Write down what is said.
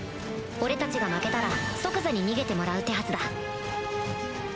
俺たちが負けたら即座に逃げてもらう手はずだ